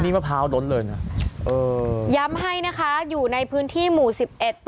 มะพร้าวล้นเลยนะเออย้ำให้นะคะอยู่ในพื้นที่หมู่สิบเอ็ด